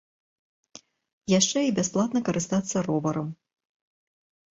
Яшчэ і бясплатна карыстацца роварам.